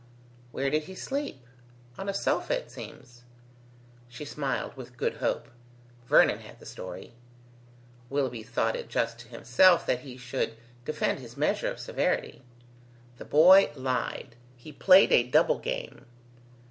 "Where did he sleep?" "On a sofa, it seems." She smiled, with good hope Vernon had the story. Willoughby thought it just to himself that he should defend his measure of severity. "The boy lied; he played a double game."